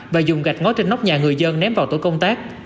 và dùng gạch ngói trên nóc nhà người dân ném vào tổ công tác